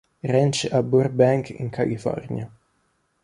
Ranch a Burbank in California.